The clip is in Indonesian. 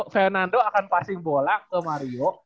fenando akan passing bola ke mario